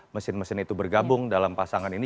mesin mesin itu bergabung dalam pasangan ini